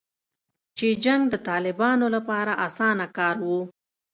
چې جنګ د طالبانو لپاره اسانه کار و